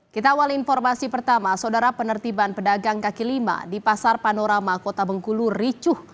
kita awal informasi pertama saudara penertiban pedagang kaki lima di pasar panorama kota bengkulu ricuh